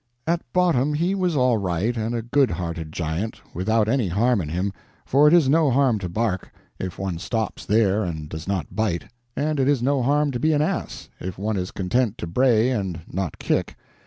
At bottom he was all right and a good hearted giant, without any harm in him, for it is no harm to bark, if one stops there and does not bite, and it is no harm to be an ass, if one is content to bray and not kick.